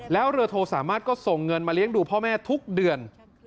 แล้วเรือโทสามารถก็ส่งเงินมาเลี้ยงดูพ่อแม่ทุกเดือน